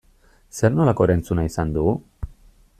Zer nolako erantzuna izan du?